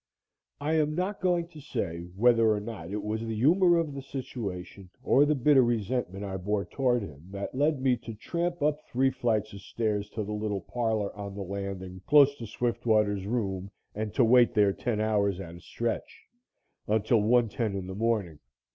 I am not going to say whether or not it was the humor of the situation or the bitter resentment I bore toward him that led me to tramp up three flights of stairs to the little parlor on the landing close to Swiftwater's room, and to wait there ten hours at a stretch until 1:10 in the morning.